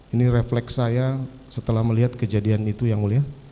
ini refleks saya setelah melihat kejadian itu yang mulia